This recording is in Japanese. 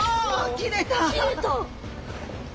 切れた！